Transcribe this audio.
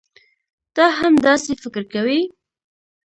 تۀ هم داسې فکر کوې؟